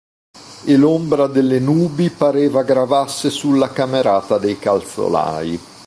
E l'ombra delle nubi pareva gravasse sulla camerata dei calzolai.